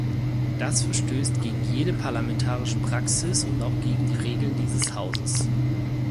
Das verstößt gegen jede parlamentarische Praxis und auch gegen die Regeln dieses Hauses.